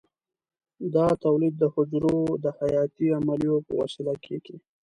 دا تولید د حجرو د حیاتي عملیو په وسیله کېږي.